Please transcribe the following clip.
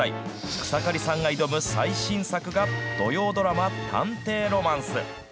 草刈さんが挑む最新作が、土曜ドラマ、探偵ロマンス。